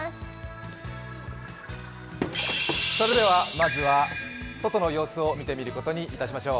まずは外の様子を見てみることにいたしましょう。